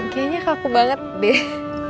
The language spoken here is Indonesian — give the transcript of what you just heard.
kayaknya kaku banget deh